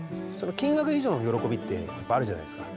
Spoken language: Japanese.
金額以上の喜びってあるじゃないですか。